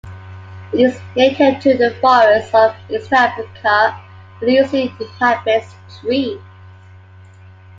It is native to the forests of eastern Africa, where it usually inhabits trees.